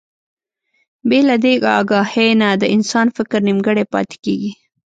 بې له دې اګاهي نه د انسان فکر نيمګړی پاتې کېږي.